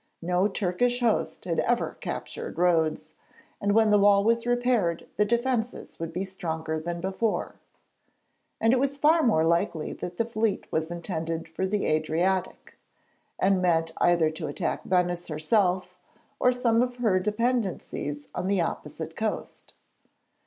No Turkish host had ever captured Rhodes, and when the wall was repaired the defences would be stronger than before. And it was far more likely that the fleet was intended for the Adriatic, and meant either to attack Venice herself or some of her dependencies on the opposite coast.